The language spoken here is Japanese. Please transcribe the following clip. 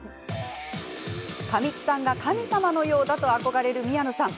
神木さんが神様のようだと憧れる宮野さん。